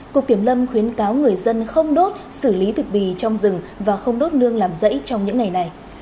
cục kiểm lâm khuyến cáo người dân không đốt xử lý thực bì trong rừng và không đốt nương làm rẫy trong những ngày này